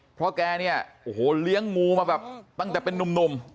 เพราะแกเนี่ยโอ้โหเลี้ยงงูมาแบบตั้งแต่เป็นนุ่ม